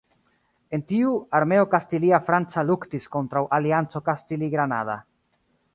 En tiu, armeo kastilia-franca luktis kontraŭ alianco kastili-granada.